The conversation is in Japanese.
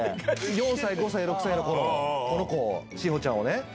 ４歳５歳６歳の頃この子を志保ちゃんをね。